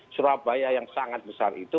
surabaya yang sangat besar itu